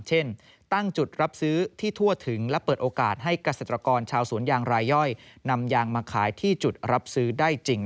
เช่นตั้งจุดรับซื้อที่ทั่วถึงและเปิดโอกาสให้เกษตรกรชาวสวนยางรายย่อยนำยางมาขายที่จุดรับซื้อได้จริง